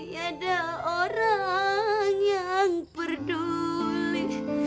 tidak ada orang yang peduli